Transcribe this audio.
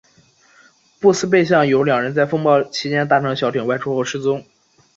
布斯贝港有两人在风暴期间搭乘小艇外出后失踪。